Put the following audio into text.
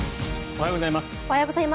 おはようございます。